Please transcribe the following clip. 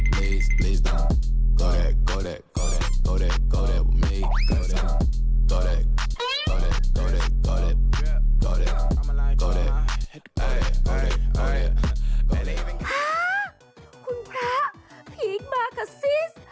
ห้าคุณพระพีคมาค่ะซิส